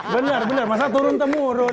benar benar masa turun temurun